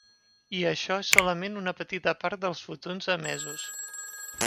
I això és solament una petita part dels fotons emesos.